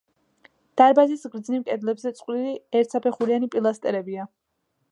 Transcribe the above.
დარბაზის გრძივ კედლებზე წყვილი ერთსაფეხურიანი პილასტრებია.